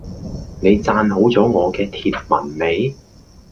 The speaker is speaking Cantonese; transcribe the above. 你讚好咗我嘅貼文未？